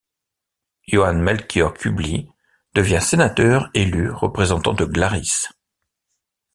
Johann Melchior Kubli devient sénateur élu représentant de Glaris.